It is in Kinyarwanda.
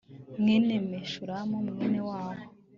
mwene meshulamu mwene wabo